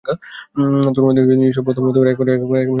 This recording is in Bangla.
তন্মধ্যে নিজস্ব প্রথম ও একমাত্র সেঞ্চুরির সন্ধান পান।